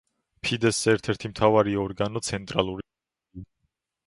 ფიდეს ერთ-ერთი მთავარი ორგანოა ცენტრალური კომიტეტი.